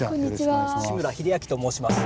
志村秀明と申します。